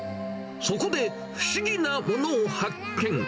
そこで不思議なものを発見。